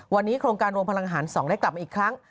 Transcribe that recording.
วันนี้โครงการรวมพลังหาร๒ได้กลับมาอีกครั้ง